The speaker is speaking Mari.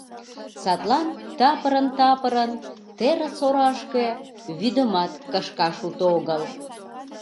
Садлан тапырын-тапырын терыс орашке вӱдымат кышкаш уто огыл.